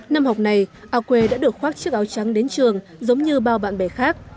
năm học này ao quê đã được khoác chiếc áo trắng đến trường giống như bao bạn bè khác